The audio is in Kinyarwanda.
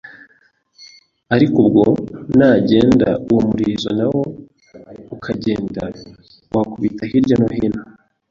ariko ubwo nagenda uwo murizo nawo ukagenda wikubita hirya no hino